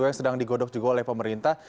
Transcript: yang sedang digodok juga oleh pemerintah